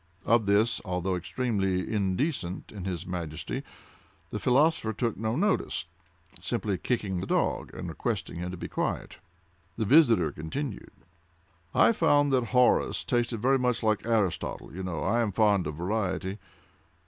Of this, although extremely indecent in his Majesty, the philosopher took no notice:—simply kicking the dog, and requesting him to be quiet. The visitor continued: "I found that Horace tasted very much like Aristotle;—you know I am fond of variety.